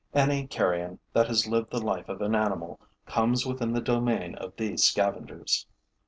Any carrion that has lived the life of an animal comes within the domain of these scavengers.